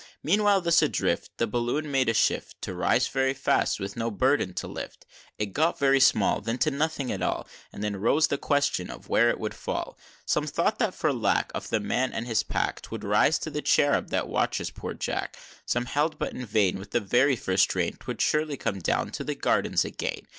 III. Meanwhile, thus adrift, The Balloon made a shift To rise very fast, with no burden to lift; It got very small, Then to nothing at all; And then rose the question of where it would fall? IV. Some thought that, for lack Of the man and his pack, 'Twould rise to the cherub that watches Poor Jack; Some held, but in vain, With the first heavy rain 'Twould surely come down to the Gardens again!